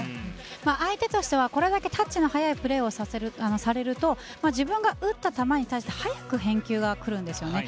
相手としてはこれだけタッチの早いプレーをされると自分が打った球に対して早く返球が来るんですね。